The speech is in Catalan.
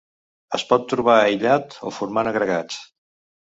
Es pot trobar aïllat o formant agregats.